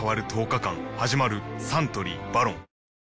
サントリー「ＶＡＲＯＮ」